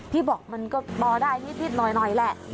พี่บอกมันก็พอได้นิดหน่อยแหละ